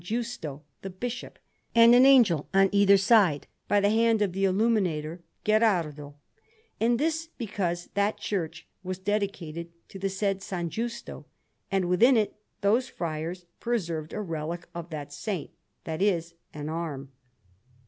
Giusto, the Bishop, and an angel on either side, by the hand of the illuminator Gherardo; and this because that church was dedicated to the said S. Giusto, and within it those friars preserved a relic of that Saint that is, an arm.